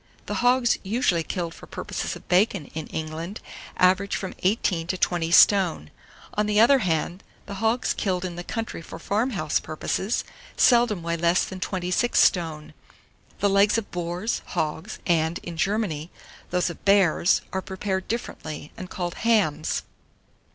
The hogs usually killed for purposes of bacon in England average from 18 to 20 stone; on the other hand, the hogs killed in the country for farm house purposes, seldom weigh less than 26 stone. The legs of boars, hogs, and, in Germany, those of bears, are prepared differently, and called hams.